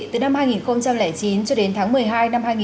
từ năm hai nghìn chín cho đến tháng một mươi một